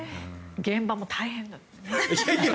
現場も大変。